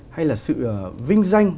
hay là sự vinh danh